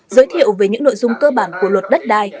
giới thiệu về những nội dung cơ bản của luật đất đai